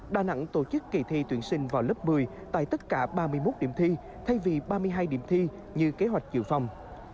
đà nẵng tổ chức kỳ thi tuyển sinh vào lớp một mươi tại tất cả ba mươi một điểm thi thay vì ba mươi hai điểm thi như kế hoạch dự phòng